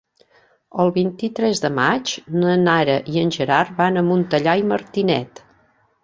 El vint-i-tres de maig na Nara i en Gerard van a Montellà i Martinet.